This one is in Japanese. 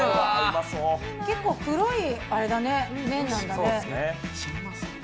結構、黒い麺なんだね。